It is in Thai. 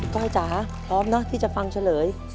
กล้องจ๋าพร้อมนะที่จะฟังเฉลย